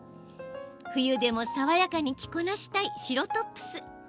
冬でも爽やかに着こなしたい白トップス。